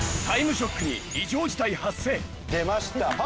『タイムショック』に異常事態発生！